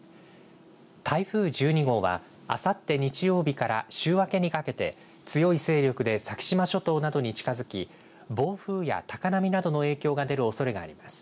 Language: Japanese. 台風１２号はあさって日曜日から週明けにかけて強い勢力で先島諸島などに近づき暴風や高波などの影響が出るおそれがあります。